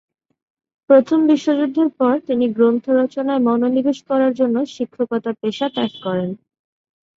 প্রথম বিশ্ব যুদ্ধের পর তিনি গ্রন্থ রচনায় মনোনিবেশ করার জন্য শিক্ষকতা পেশা ত্যাগ করেন।